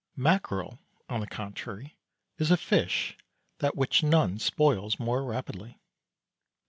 Mackerel, on the contrary, is a fish than which none spoils more rapidly.